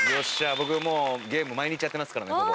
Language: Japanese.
僕もうゲーム毎日やってますからねほぼ。